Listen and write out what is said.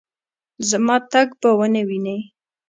زما تګ به ونه وینې